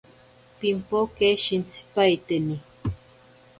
Pimpoke shintsipaiteni.